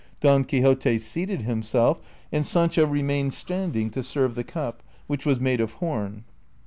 Don Quixote seated himself, and Sancho renuiiued standing to serve the cup, which was made of horn.